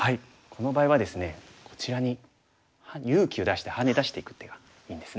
この場合はですねこちらに勇気を出してハネ出していく手がいいんですね。